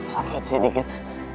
sakit sih dikit